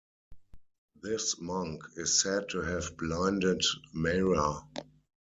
This monk is said to have blinded Mara.